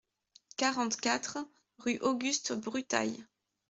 quarante-quatre rue Auguste Brutails